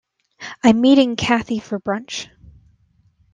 I'm meeting Kathy for brunch.